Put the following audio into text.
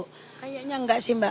kayaknya nggak sih mbak